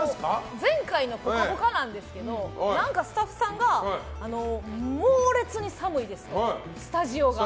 前回の「ぽかぽか」ですけど何かスタッフさんが猛烈に寒いですとスタジオが。